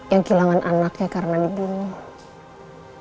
yang kehilangan anaknya karena dibunuh